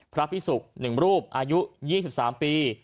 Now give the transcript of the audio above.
พระพิสุก๑รูปอายุ๒๓ปี